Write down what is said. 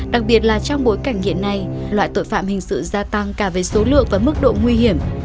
đặc biệt là trong bối cảnh hiện nay loại tội phạm hình sự gia tăng cả về số lượng và mức độ nguy hiểm